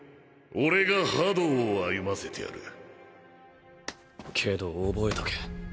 俺が覇道を歩ませてやるけど覚えとけ。